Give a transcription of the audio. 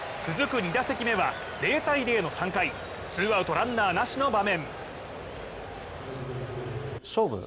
２打席目は０−０の３回、ツーアウトランナーなしの場面。